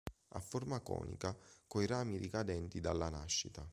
Ha forma conica coi rami ricadenti dalla nascita.